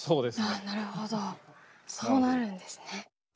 ああなるほどそうなるんですね。